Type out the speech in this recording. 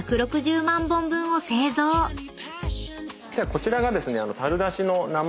こちらがですね。